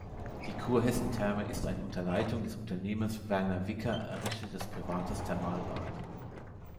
Die Kurhessen-Therme ist ein unter Leitung des Unternehmers Werner Wicker errichtetes privates Thermalbad.